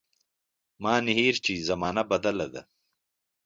مانهیر چي زمانه بدله ده